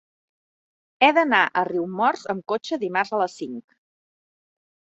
He d'anar a Riumors amb cotxe dimarts a les cinc.